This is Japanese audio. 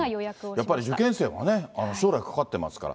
やっぱり受験生は将来かかってますから。